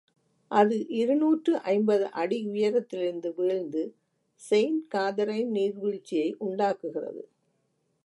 அது இருநூற்று ஐம்பது அடி உயரத்திலிருந்து வீழ்ந்து செயிண்ட் காதரைன் நீர்வீழ்ச்சியை உண்டாக்குகிறது.